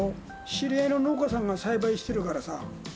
知り合いの農家さんが栽培してるからさ。